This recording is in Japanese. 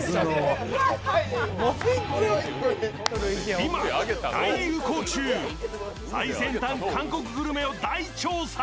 今、大流行中、最先端韓国グルメを大調査。